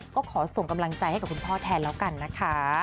ก็ขอส่งกำลังใจให้กับคุณพ่อแทนแล้วกันนะคะ